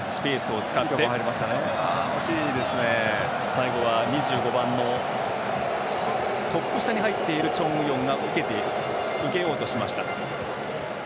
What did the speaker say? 最後は２５番のトップ下に入っているチョン・ウヨンが受けようとしました。